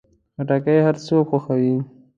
خټکی هر څوک خوښوي.